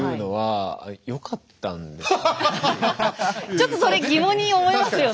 ちょっとそれ疑問に思いますよね。